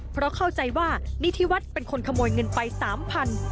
เพราะเข้าใจว่านิธิวัฒน์เป็นคนขโมยเงินไป๓๐๐บาท